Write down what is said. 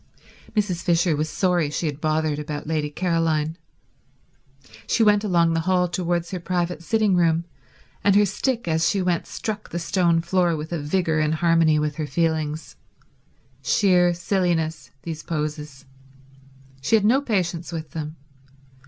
Mrs. Fisher was sorry she had bothered about Lady Caroline. She went along the hall towards her private sitting room, and her stick as she went struck the stone floor with a vigour in harmony with her feelings. Sheer silliness, these poses. She had no patience with them.